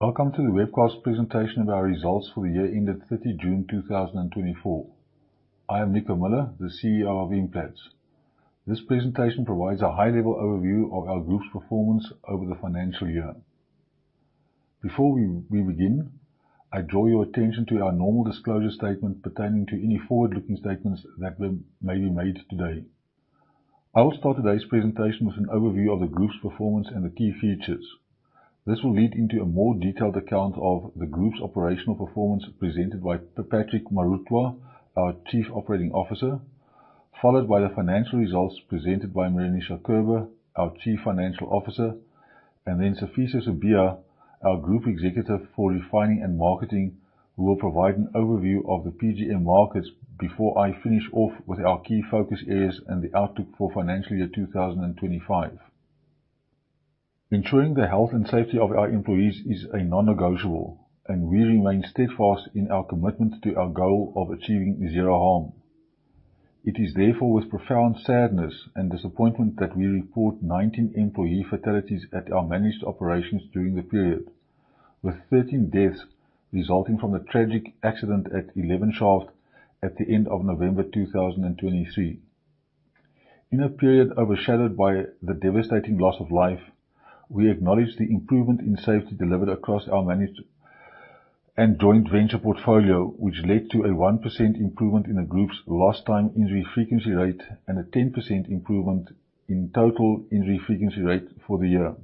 Welcome to the webcast presentation of our results for the year ended 30 June 2024. I am Nico Muller, the CEO of Implats. This presentation provides a high-level overview of our group's performance over the financial year. Before we begin, I draw your attention to our normal disclosure statement pertaining to any forward-looking statements that may be made today. I will start today's presentation with an overview of the group's performance and the key features. This will lead into a more detailed account of the group's operational performance presented by Patrick Morutlwa, our Chief Operating Officer, followed by the financial results presented by Meroonisha Kerber, our Chief Financial Officer, and then Sifiso Sibiya, our Group Executive for Refining and Marketing, who will provide an overview of the PGM markets before I finish off with our key focus areas and the outlook for FY 2025. Ensuring the health and safety of our employees is a non-negotiable, and we remain steadfast in our commitment to our goal of achieving zero harm. It is therefore with profound sadness and disappointment that we report 19 employee fatalities at our managed operations during the period, with 13 deaths resulting from the tragic accident at 11 shaft at the end of November 2023. In a period overshadowed by the devastating loss of life, we acknowledge the improvement in safety delivered across our managed and joint venture portfolio, which led to a 1% improvement in the group's lost time injury frequency rate and a 10% improvement in total injury frequency rate for the year.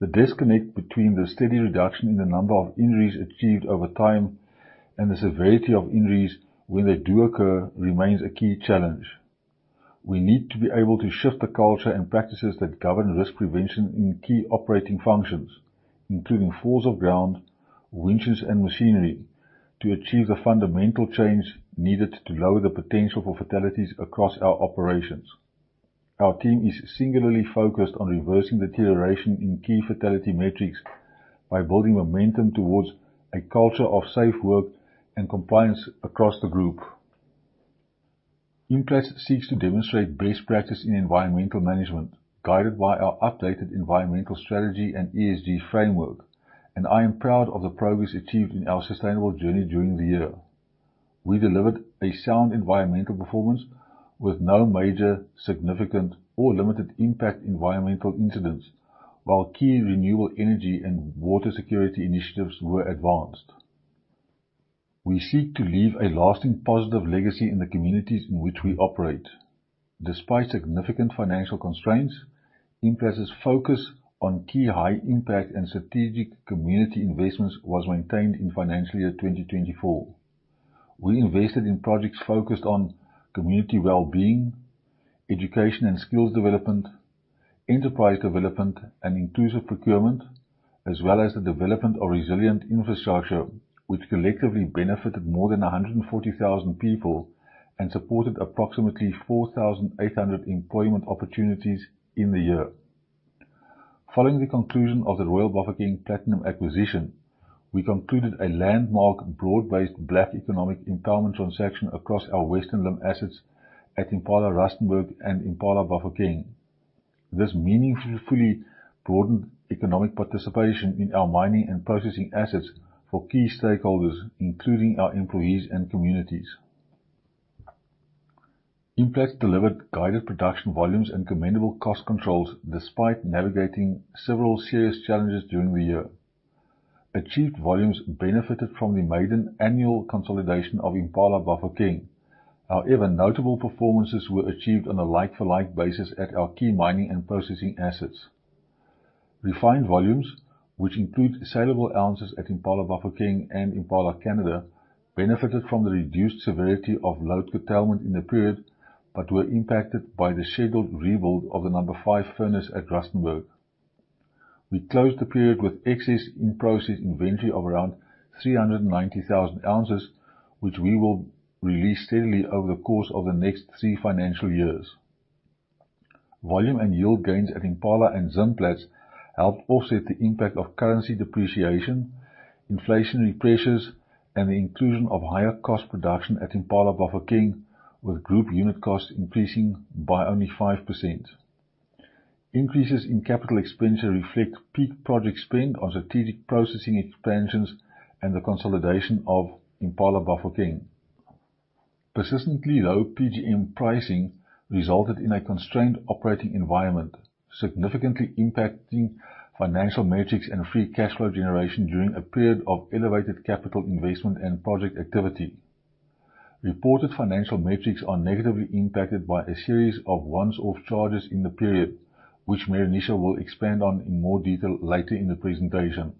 The disconnect between the steady reduction in the number of injuries achieved over time and the severity of injuries when they do occur remains a key challenge. We need to be able to shift the culture and practices that govern risk prevention in key operating functions, including falls of ground, winches and machinery to achieve the fundamental change needed to lower the potential for fatalities across our operations. Our team is singularly focused on reversing deterioration in key fatality metrics by building momentum towards a culture of safe work and compliance across the group. Implats seeks to demonstrate best practice in environmental management, guided by our updated environmental strategy and ESG framework, and I am proud of the progress achieved in our sustainable journey during the year. We delivered a sound environmental performance with no major significant or limited impact environmental incidents, while key renewable energy and water security initiatives were advanced. We seek to leave a lasting positive legacy in the communities in which we operate. Despite significant financial constraints, Implats' focus on key high impact and strategic community investments was maintained in FY 2024. We invested in projects focused on community well-being, education and skills development, enterprise development and inclusive procurement, as well as the development of resilient infrastructure which collectively benefited more than 140,000 people and supported approximately 4,800 employment opportunities in the year. Following the conclusion of the Royal Bafokeng Platinum acquisition, we concluded a landmark Broad-Based Black Economic Empowerment transaction across our Western Limb assets at Impala Rustenburg and Impala Bafokeng. This meaningfully broadened economic participation in our mining and processing assets for key stakeholders, including our employees and communities. Implats delivered guided production volumes and commendable cost controls despite navigating several serious challenges during the year. Achieved volumes benefited from the maiden annual consolidation of Impala Bafokeng. Notable performances were achieved on a like-for-like basis at our key mining and processing assets. Refined volumes, which include sellable ounces at Impala Bafokeng and Impala Canada, benefited from the reduced severity of load curtailment in the period, but were impacted by the scheduled rebuild of the number five furnace at Rustenburg. We closed the period with excess in-process inventory of around 390,000 ounces, which we will release steadily over the course of the next three financial years. Volume and yield gains at Impala and Zimplats helped offset the impact of currency depreciation, inflationary pressures, and the inclusion of higher cost production at Impala Bafokeng, with group unit costs increasing by only 5%. Increases in capital expenditure reflect peak project spend on strategic processing expansions and the consolidation of Impala Bafokeng. Persistently low PGM pricing resulted in a constrained operating environment, significantly impacting financial metrics and free cash flow generation during a period of elevated capital investment and project activity. Reported financial metrics are negatively impacted by a series of once-off charges in the period, which Meroonisha will expand on in more detail later in the presentation.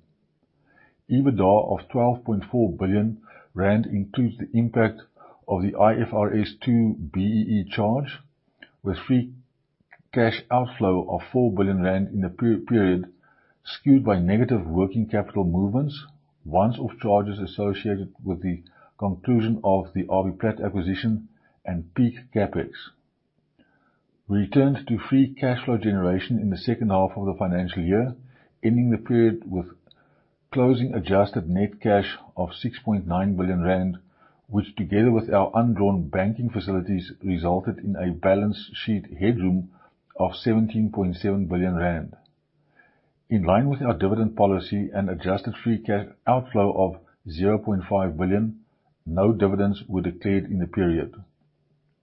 EBITDA of 12.4 billion rand includes the impact of the IFRS 2 BEE charge, with free cash outflow of 4 billion rand in the period skewed by negative working capital movements, once-off charges associated with the conclusion of the RBPlat acquisition, and peak CapEx. We returned to free cash flow generation in the second half of the financial year, ending the period with closing adjusted net cash of 6.9 billion rand. Which together with our undrawn banking facilities resulted in a balance sheet headroom of 17.7 billion rand. In line with our dividend policy and adjusted free cash outflow of 0.5 billion, no dividends were declared in the period.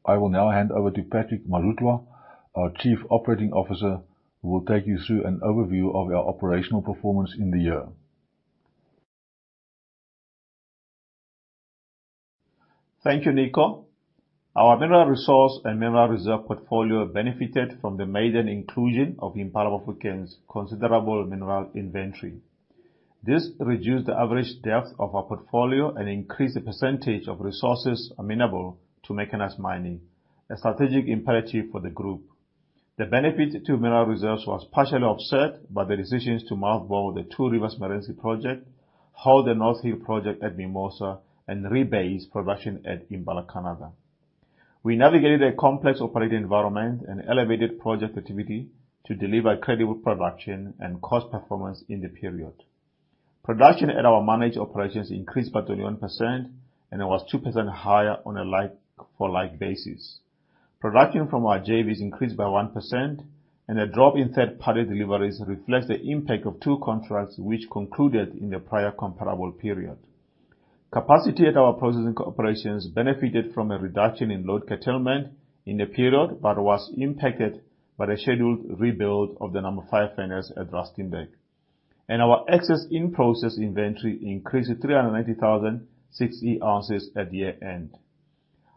I will now hand over to Patrick Morutlwa, our Chief Operating Officer, who will take you through an overview of our operational performance in the year. Thank you, Nico. Our mineral resource and mineral reserve portfolio benefited from the maiden inclusion of Impala Bafokeng's considerable mineral inventory. This reduced the average depth of our portfolio and increased the percentage of resources amenable to mechanized mining, a strategic imperative for the group. The benefit to mineral reserves was partially offset by the decisions to mine both the Two Rivers Merensky project, hold the North Hill project at Mimosa, and rebase production at Impala Canada. We navigated a complex operating environment and elevated project activity to deliver credible production and cost performance in the period. Production at our managed operations increased by 21% and was 2% higher on a like-for-like basis. Production from our JVs increased by 1% and a drop in third party deliveries reflects the impact of two contracts which concluded in the prior comparable period. Capacity at our processing operations benefited from a reduction in load curtailment in the period, but was impacted by the scheduled rebuild of the number five furnace at Rustenburg, and our excess in-process inventory increased to 390,060 ounces at year-end.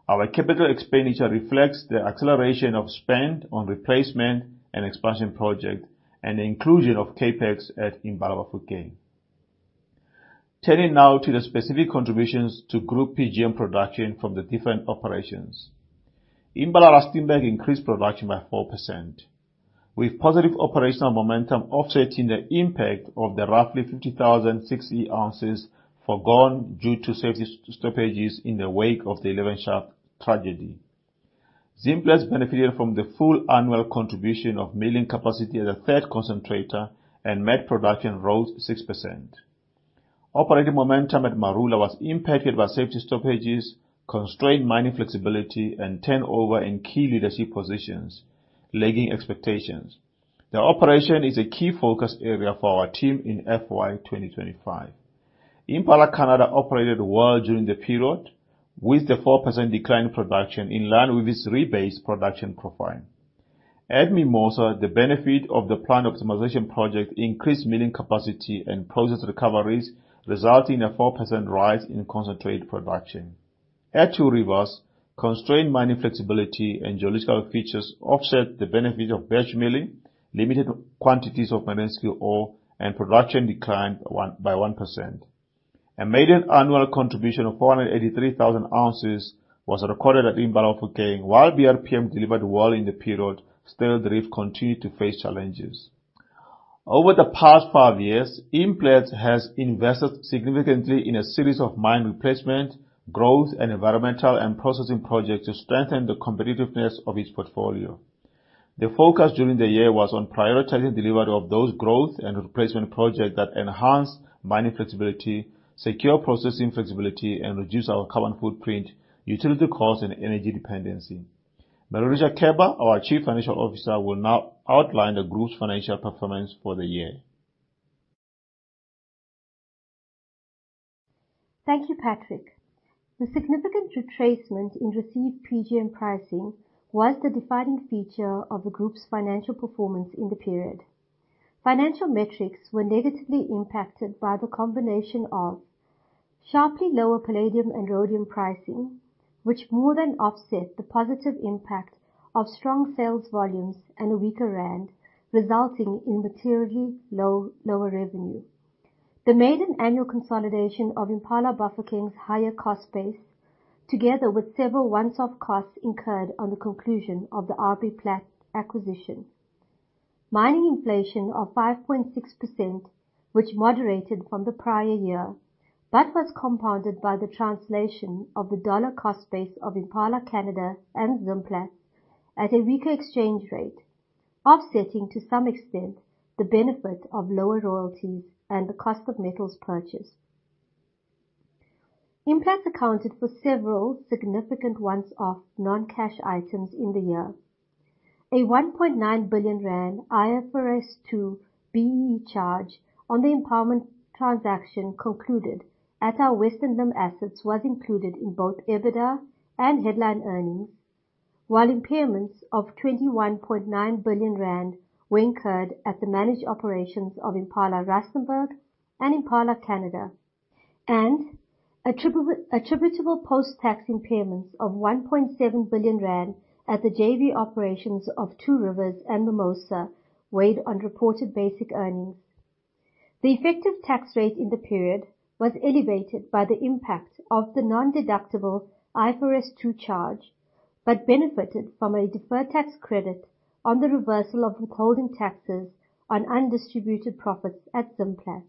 Our capital expenditure reflects the acceleration of spend on replacement and expansion project and the inclusion of CapEx at Impala Bafokeng. Turning now to the specific contributions to group PGM production from the different operations. Impala Rustenburg increased production by 4%, with positive operational momentum offsetting the impact of the roughly 50,060 ounces forgone due to safety stoppages in the wake of the 11 shaft tragedy. Zimplats benefited from the full annual contribution of milling capacity as a third concentrator and matte production rose 6%. Operating momentum at Marula was impacted by safety stoppages, constrained mining flexibility, and turnover in key leadership positions, lagging expectations. The operation is a key focus area for our team in FY 2025. Impala Canada operated well during the period with the 4% decline in production in line with its rebased production profile. At Mimosa, the benefit of the plant optimization project increased milling capacity and process recoveries, resulting in a 4% rise in concentrate production. At Two Rivers, constrained mining flexibility and geological features offset the benefit of batch milling, limited quantities of Merensky ore, and production declined by 1%. A maiden annual contribution of 483,000 ounces was recorded at Impala Bafokeng. While BRPM delivered well in the period, Styldrift continued to face challenges. Over the past five years, Implats has invested significantly in a series of mine replacement, growth, and environmental and processing projects to strengthen the competitiveness of its portfolio. The focus during the year was on prioritizing delivery of those growth and replacement projects that enhance mining flexibility, secure processing flexibility, and reduce our carbon footprint, utility costs, and energy dependency. Meroonisha Kerber, our Chief Financial Officer, will now outline the group's financial performance for the year. Thank you, Patrick. The significant retracement in received PGM pricing was the defining feature of the group's financial performance in the period. Financial metrics were negatively impacted by the combination of sharply lower palladium and rhodium pricing, which more than offset the positive impact of strong sales volumes and a weaker rand, resulting in materially lower revenue. The maiden annual consolidation of Impala Bafokeng's higher cost base, together with several once-off costs incurred on the conclusion of the RBPlat acquisition. Mining inflation of 5.6%, which moderated from the prior year, but was compounded by the translation of the dollar cost base of Impala Canada and Zimplats at a weaker exchange rate, offsetting to some extent the benefit of lower royalties and the cost of metals purchased. Implats accounted for several significant once-off non-cash items in the year. A 1.9 billion rand IFRS 2 BEE charge on the empowerment transaction concluded at our Western Limb assets was included in both EBITDA and headline earnings, while impairments of 21.9 billion rand were incurred at the managed operations of Impala Rustenburg and Impala Canada, and attributable post-tax impairments of 1.7 billion rand at the JV operations of Two Rivers and Mimosa weighed on reported basic earnings. The effective tax rate in the period was elevated by the impact of the non-deductible IFRS 2 charge, but benefited from a deferred tax credit on the reversal of withholding taxes on undistributed profits at Zimplats.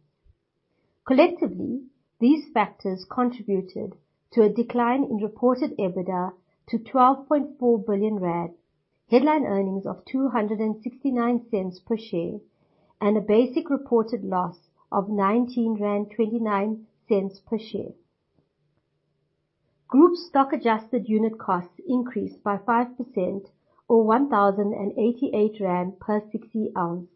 Collectively, these factors contributed to a decline in reported EBITDA to 12.4 billion rand, headline earnings of 2.69 per share and a basic reported loss of 19.29 rand per share. Group stock adjusted unit costs increased by 5% or 1,088 rand per 6E ounce.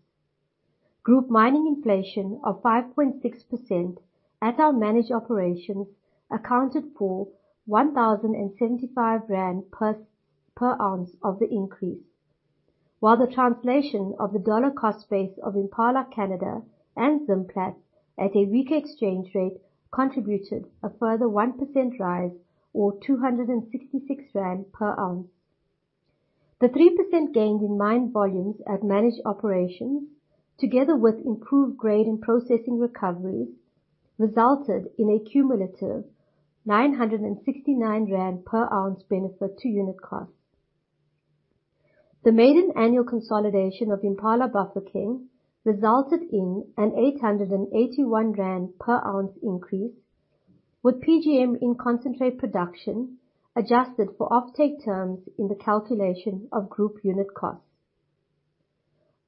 Group mining inflation of 5.6% at our managed operations accounted for 1,075 rand per ounce of the increase, while the translation of the dollar cost base of Impala Canada and Zimplats at a weaker exchange rate contributed a further 1% rise or 266 rand per ounce. The 3% gained in mined volumes at managed operations together with improved grade in processing recoveries, resulted in a cumulative 969 rand per ounce benefit to unit costs. The maiden annual consolidation of Impala Bafokeng resulted in an 881 rand per ounce increase with PGM in concentrate production adjusted for offtake terms in the calculation of group unit costs.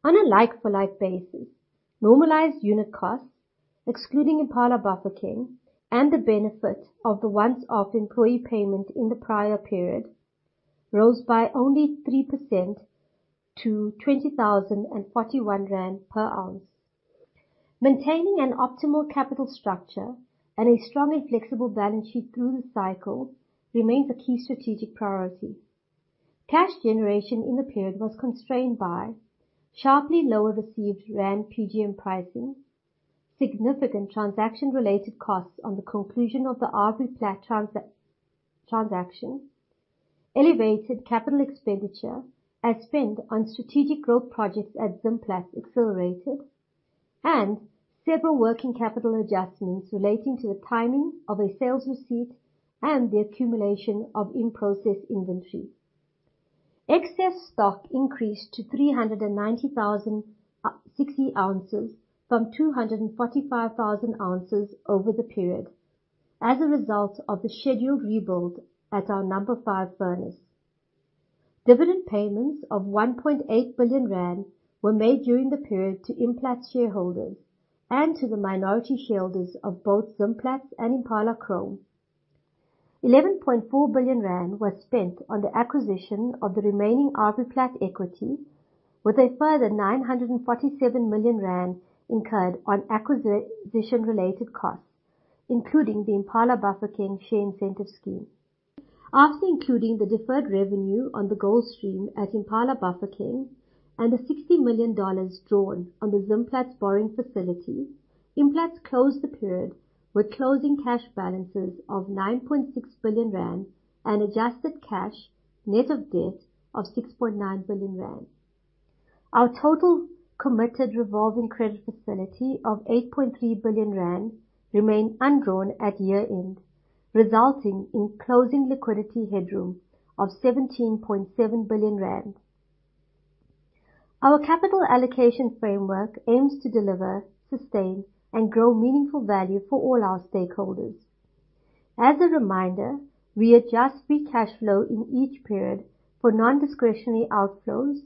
On a like-for-like basis, normalized unit costs, excluding Impala Bafokeng and the benefit of the once-off employee payment in the prior period, rose by only 3% to 20,041 rand per ounce. Maintaining an optimal capital structure and a strong and flexible balance sheet through the cycle remains a key strategic priority. Cash generation in the period was constrained by sharply lower received ZAR PGM pricing, significant transaction related costs on the conclusion of the RBPlat transaction, elevated capital expenditure as spent on strategic growth projects at Zimplats accelerated, and several working capital adjustments relating to the timing of a sales receipt and the accumulation of in-process inventory. Excess stock increased to 390,000 6E ounces from 245,000 ounces over the period as a result of the scheduled rebuild at our number 5 furnace. Dividend payments of 1.8 billion rand were made during the period to Implats shareholders and to the minority shareholders of both Zimplats and Impala Chrome. 11.4 billion rand was spent on the acquisition of the remaining RBPlat equity with a further 947 million rand incurred on acquisition related costs, including the Impala Bafokeng share incentive scheme. After including the deferred revenue on the gold stream at Impala Bafokeng and the $60 million drawn on the Zimplats borrowing facility, Implats closed the period with closing cash balances of 9.6 billion rand and adjusted cash net of debt of 6.9 billion rand. Our total committed revolving credit facility of 8.3 billion rand remain undrawn at year-end, resulting in closing liquidity headroom of 17.7 billion rand. Our capital allocation framework aims to deliver, sustain, and grow meaningful value for all our stakeholders. As a reminder, we adjust free cash flow in each period for non-discretionary outflows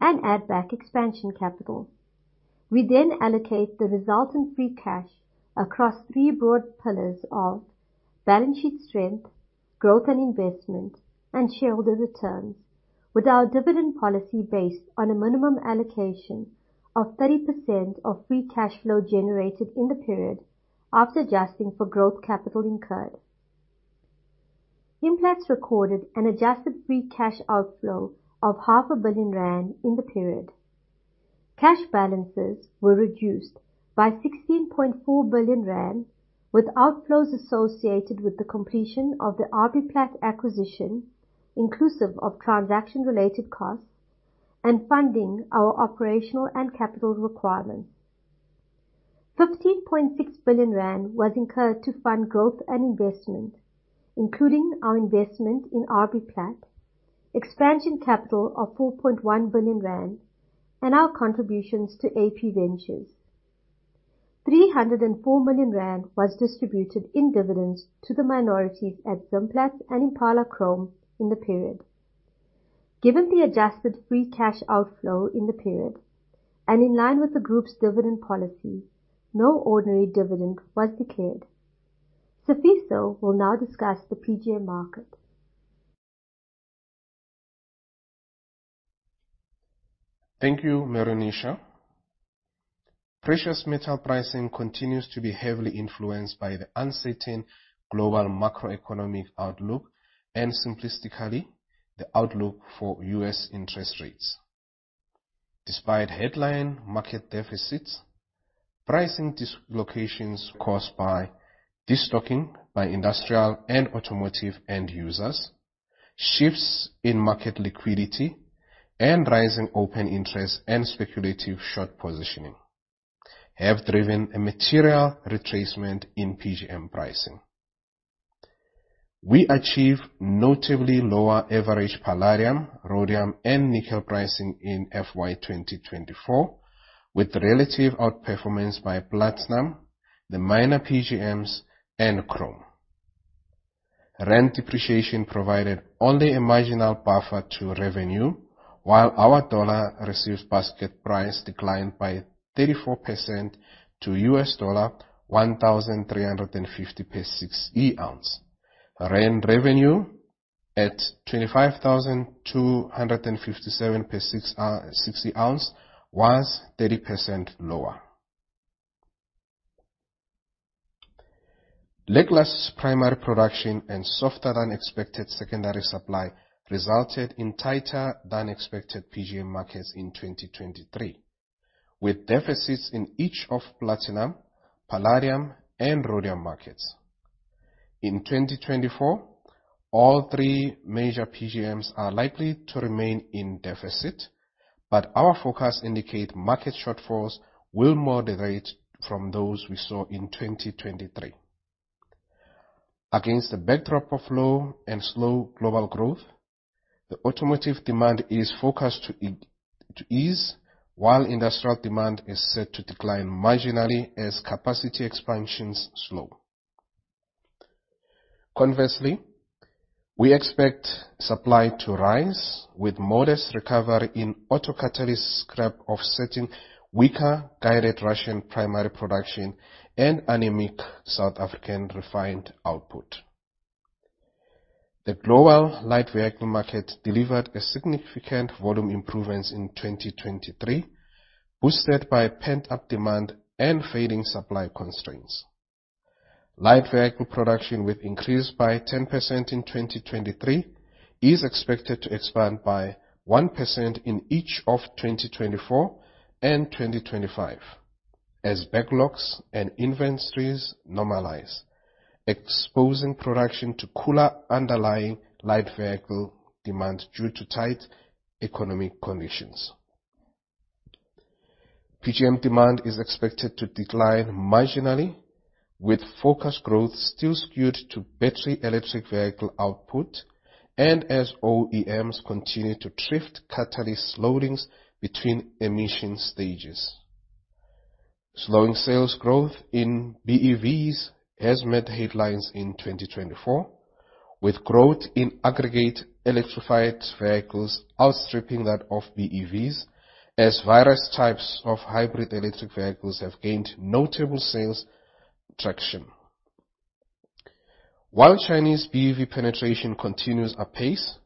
and add back expansion capital. We allocate the resultant free cash across three broad pillars of balance sheet strength, growth and investment, and shareholder returns with our dividend policy based on a minimum allocation of 30% of free cash flow generated in the period after adjusting for growth capital incurred. Implats recorded an adjusted free cash outflow of half a billion ZAR in the period. Cash balances were reduced by 16.4 billion rand with outflows associated with the completion of the RBPlat acquisition, inclusive of transaction related costs and funding our operational and capital requirements. 15.6 billion rand was incurred to fund growth and investment, including our investment in RBPlat, expansion capital of 4.1 billion rand, and our contributions to AP Ventures. 304 million rand was distributed in dividends to the minorities at Zimplats and Impala Chrome in the period. Given the adjusted free cash outflow in the period, in line with the group's dividend policy, no ordinary dividend was declared. Sifiso will now discuss the PGM market. Thank you, Meroonisha. Precious metal pricing continues to be heavily influenced by the uncertain global macroeconomic outlook and simplistically the outlook for U.S. interest rates. Despite headline market deficits, pricing dislocations caused by destocking by industrial and automotive end users, shifts in market liquidity, and rising open interest and speculative short positioning have driven a material retracement in PGM pricing. We achieve notably lower average palladium, rhodium, and nickel pricing in FY 2024 with relative outperformance by platinum, the minor PGMs, and chrome. Rand depreciation provided only a marginal buffer to revenue, while our dollar received basket price declined by 34% to $1,350 per 6E ounce. Rand revenue at 25,257 per 6E ounce was 30% lower. Lacklustre primary production and softer-than-expected secondary supply resulted in tighter than expected PGM markets in 2023, with deficits in each of platinum, palladium, and rhodium markets. In 2024, all three major PGMs are likely to remain in deficit, our forecast indicate market shortfalls will moderate from those we saw in 2023. Against the backdrop of low and slow global growth, the automotive demand is forecast to ease while industrial demand is set to decline marginally as capacity expansions slow. Conversely, we expect supply to rise with modest recovery in auto catalyst scrap offsetting weaker guided Russian primary production and anemic South African refined output. The global light vehicle market delivered a significant volume improvements in 2023, boosted by pent-up demand and fading supply constraints. Light vehicle production, with increase by 10% in 2023, is expected to expand by 1% in each of 2024 and 2025 as backlogs and inventories normalize, exposing production to cooler underlying light vehicle demand due to tight economic conditions. PGM demand is expected to decline marginally, with forecast growth still skewed to battery electric vehicle output and as OEMs continue to shift catalyst loadings between emission stages. Slowing sales growth in BEVs has made headlines in 2024, with growth in aggregate electrified vehicles outstripping that of BEVs as various types of hybrid electric vehicles have gained notable sales traction. While Chinese BEV penetration continues apace,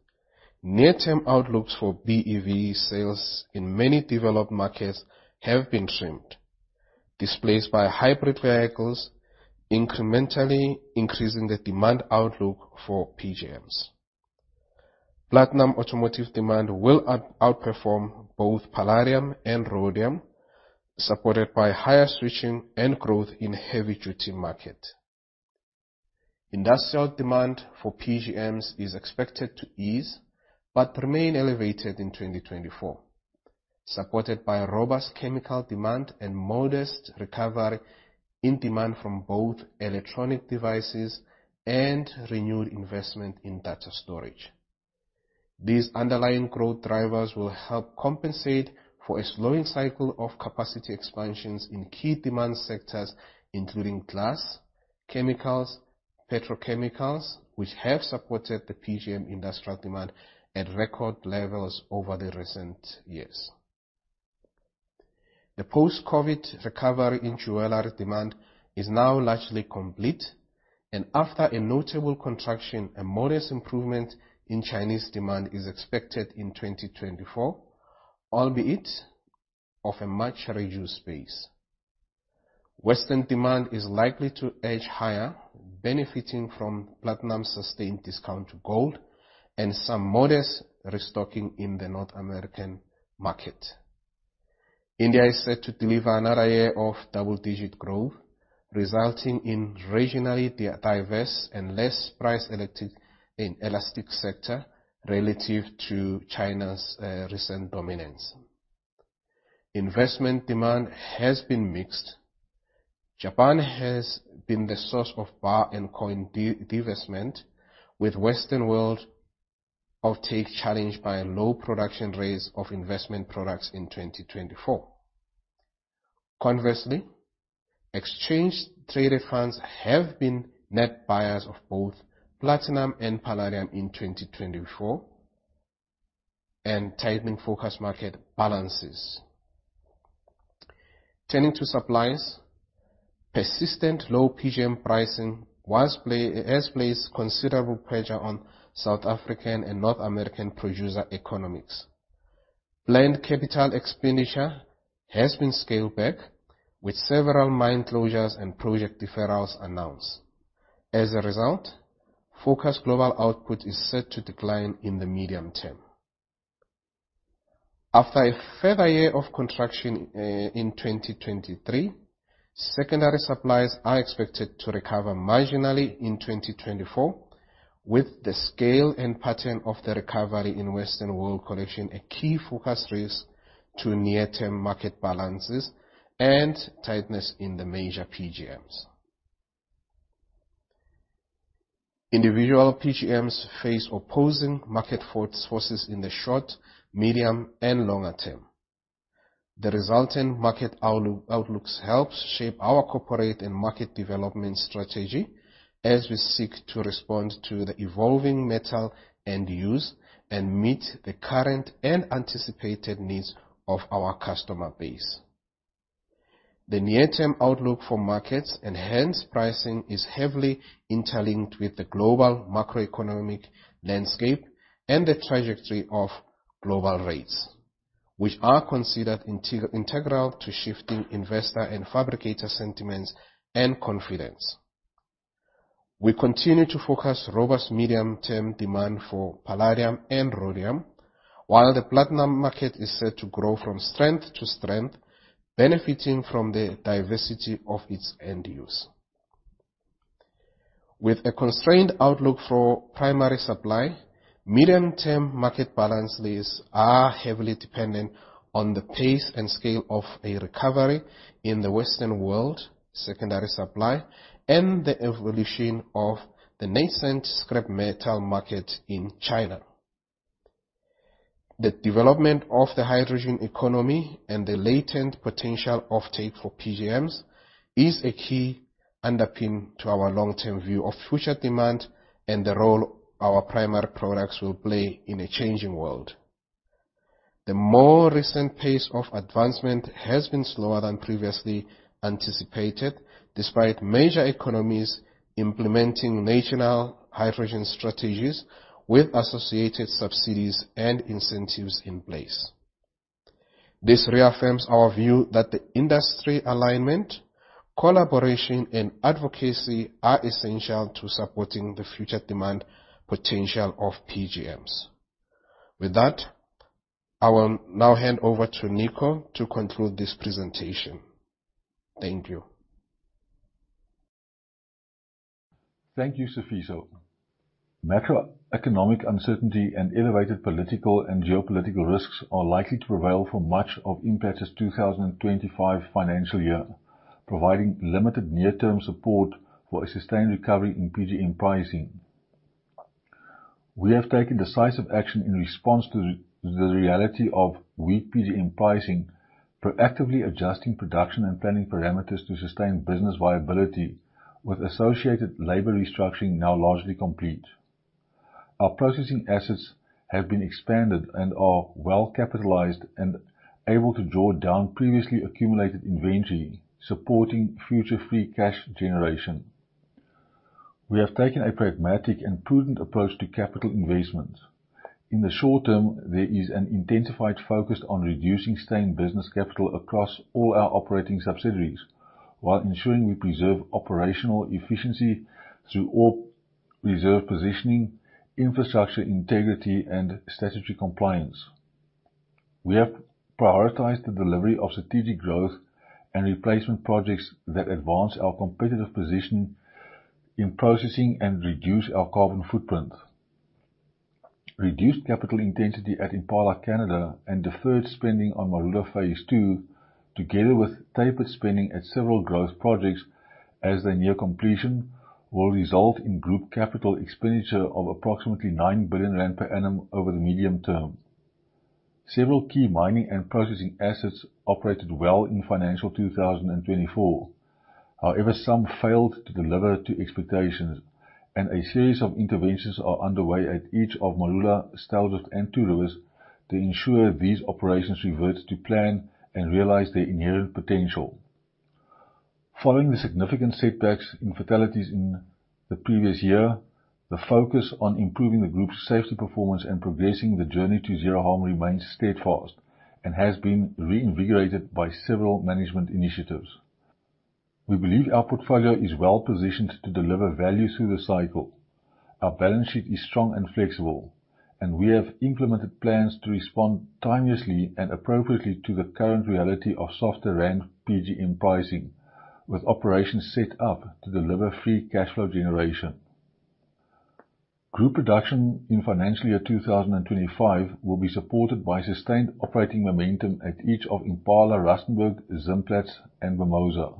near-term outlooks for BEV sales in many developed markets have been trimmed, displaced by hybrid vehicles, incrementally increasing the demand outlook for PGMs. Platinum automotive demand will outperform both palladium and rhodium, supported by higher switching and growth in heavy-duty market. Industrial demand for PGMs is expected to ease but remain elevated in 2024, supported by robust chemical demand and modest recovery in demand from both electronic devices and renewed investment in data storage. These underlying growth drivers will help compensate for a slowing cycle of capacity expansions in key demand sectors, including glass, chemicals, petrochemicals, which have supported the PGM industrial demand at record levels over the recent years. The post-COVID recovery in jewelry demand is now largely complete. After a notable contraction, a modest improvement in Chinese demand is expected in 2024, albeit of a much reduced pace. Western demand is likely to edge higher, benefiting from platinum's sustained discount to gold and some modest restocking in the North American market. India is set to deliver another year of double-digit growth, resulting in regionally diverse and less price elastic sector relative to China's recent dominance. Investment demand has been mixed. Japan has been the source of bar and coin divestment, with Western world offtake challenged by low production rates of investment products in 2024. Conversely, exchange traded funds have been net buyers of both platinum and palladium in 2024 and tightening forecast market balances. Turning to supplies, persistent low PGM pricing has placed considerable pressure on South African and North American producer economics. Planned CapEx has been scaled back, with several mine closures and project deferrals announced. As a result, forecast global output is set to decline in the medium term. After a further year of contraction in 2023, secondary supplies are expected to recover marginally in 2024, with the scale and pattern of the recovery in Western world collection a key forecast risk to near-term market balances and tightness in the major PGMs. Individual PGMs face opposing market forces in the short, medium, and longer term. The resultant market outlook helps shape our corporate and market development strategy as we seek to respond to the evolving metal end use and meet the current and anticipated needs of our customer base. The near-term outlook for markets, and hence pricing, is heavily interlinked with the global macroeconomic landscape and the trajectory of global rates, which are considered integral to shifting investor and fabricator sentiments and confidence. We continue to forecast robust medium-term demand for palladium and rhodium, while the platinum market is set to grow from strength to strength, benefiting from the diversity of its end use. With a constrained outlook for primary supply, medium-term market balance lease are heavily dependent on the pace and scale of a recovery in the Western world, secondary supply, and the evolution of the nascent scrap metal market in China. The development of the hydrogen economy and the latent potential offtake for PGMs is a key underpin to our long-term view of future demand and the role our primary products will play in a changing world. The more recent pace of advancement has been slower than previously anticipated, despite major economies implementing national hydrogen strategies with associated subsidies and incentives in place. This reaffirms our view that the industry alignment, collaboration, and advocacy are essential to supporting the future demand potential of PGMs. With that, I will now hand over to Nico to conclude this presentation. Thank you. Thank you, Sifiso. Macroeconomic uncertainty and elevated political and geopolitical risks are likely to prevail for much of Impala's FY 2025, providing limited near-term support for a sustained recovery in PGM pricing. We have taken decisive action in response to the reality of weak PGM pricing, proactively adjusting production and planning parameters to sustain business viability with associated labor restructuring now largely complete. Our processing assets have been expanded and are well capitalized and able to draw down previously accumulated inventory, supporting future free cash generation. We have taken a pragmatic and prudent approach to capital investment. In the short term, there is an intensified focus on reducing sustained business capital across all our operating subsidiaries, while ensuring we preserve operational efficiency through ore reserve positioning, infrastructure integrity and statutory compliance. We have prioritized the delivery of strategic growth and replacement projects that advance our competitive position in processing and reduce our carbon footprint. Reduced capital intensity at Impala Canada and deferred spending on Marula Phase 2, together with tapered spending at several growth projects as they near completion, will result in group capital expenditure of approximately 9 billion rand per annum over the medium term. Several key mining and processing assets operated well in FY 2024. Some failed to deliver to expectations, and a series of interventions are underway at each of Marula, Styldrift and Two Rivers to ensure these operations revert to plan and realize their inherent potential. Following the significant setbacks in fatalities in the previous year, the focus on improving the group's safety performance and progressing the journey to zero harm remains steadfast and has been reinvigorated by several management initiatives. We believe our portfolio is well positioned to deliver value through the cycle. Our balance sheet is strong and flexible. We have implemented plans to respond timeously and appropriately to the current reality of softer ZAR PGM pricing, with operations set up to deliver free cash flow generation. Group production in FY 2025 will be supported by sustained operating momentum at each of Impala Rustenburg, Zimplats and Mimosa.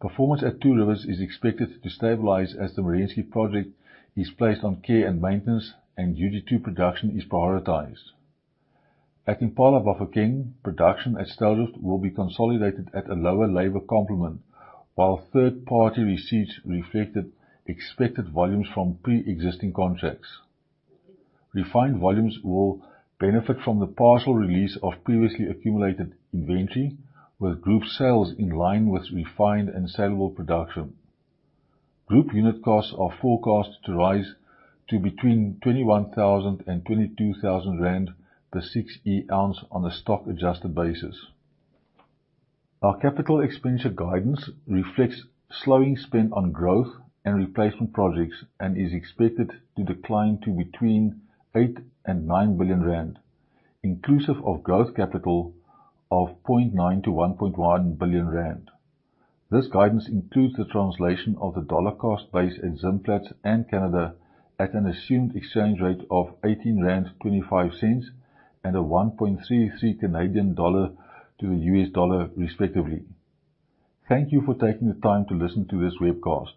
Performance at Two Rivers is expected to stabilize as the Merensky project is placed on care and maintenance and UG2 production is prioritized. At Impala Bafokeng, production at Styldrift will be consolidated at a lower labor complement, while third-party receipts reflected expected volumes from pre-existing contracts. Refined volumes will benefit from the partial release of previously accumulated inventory, with group sales in line with refined and sellable production. Group unit costs are forecast to rise to between 21,000 and 22,000 rand per 6E ounce on a stock adjusted basis. Our capital expenditure guidance reflects slowing spend on growth and replacement projects and is expected to decline to between 8 and 9 billion rand, inclusive of growth capital of 0.9 to 1.1 billion rand. This guidance includes the translation of the dollar cost base at Zimplats and Canada at an assumed exchange rate of 18.25 rand and a 1.33 Canadian dollar to the USD, respectively. Thank you for taking the time to listen to this webcast.